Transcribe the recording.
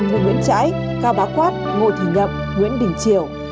như nguyễn trãi cao bá quát ngô thị nhậm nguyễn đình triều